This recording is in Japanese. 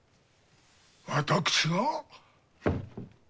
私が？